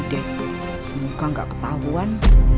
jadi semoga gak ketahuan